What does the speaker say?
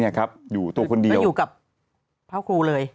อยู่ตัวคนเดียวอยู่กับพระครูเลย